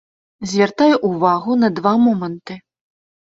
Звяртаю ўвагу на два моманты.